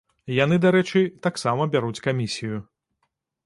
Яны, дарэчы, таксама бяруць камісію.